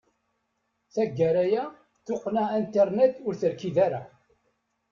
Taggara aya, tuqqna internet ur terkid ara.